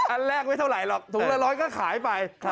อันแรกไม่เท่าไหร่หรอกถุงละร้อยก็ขายไป